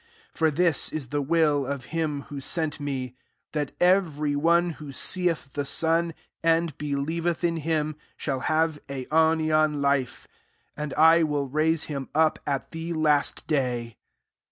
40 For this is the will of him who sent me, that every one who seeth the Son, and believeth in him, shall have aiQuian life: and I will raise him up, at the last day."